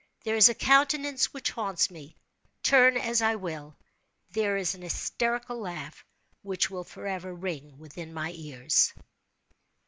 There is a countenance which haunts me, turn as I will. There is an hysterical laugh which will forever ring within my ears.